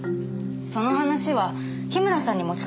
その話は樋村さんに持ちかけられたんです。